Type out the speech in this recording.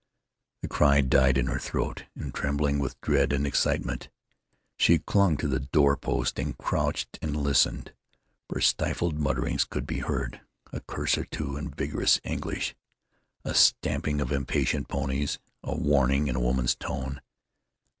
The cry died in her throat, and, trembling with dread and excitement, she clung to the door post and crouched and listened, for stifled mutterings could be heard, a curse or two in vigorous English, a stamping of impatient ponies, a warning in a woman's tone.